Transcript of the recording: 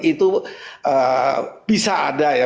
itu bisa ada ya